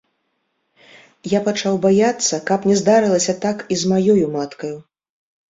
Я пачаў баяцца, каб не здарылася так і з маёю маткаю.